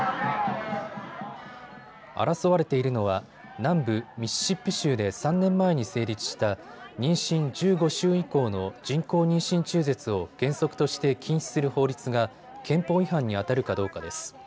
争われているのは南部ミシシッピ州で３年前に成立した妊娠１５週以降の人工妊娠中絶を原則として禁止する法律が憲法違反にあたるかどうかです。